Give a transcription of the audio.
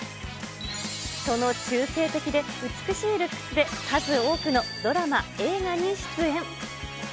その中性的で美しいルックスで、数多くのドラマ、映画に出演。